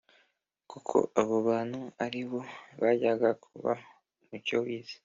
kuko abo bantu ari bo bajyaga kuba umucyo w’isi